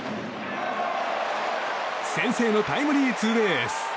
先制のタイムリーツーベース。